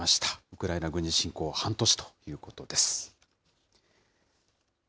ウクライナ軍事侵攻半年ということです。